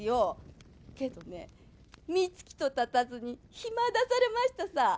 けどねみつきとたたずに暇出されましたさ。